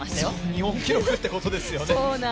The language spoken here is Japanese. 日本記録ってことですよね。